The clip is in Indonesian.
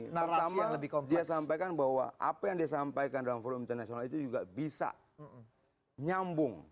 pertama dia sampaikan bahwa apa yang disampaikan dalam forum internasional itu juga bisa nyambung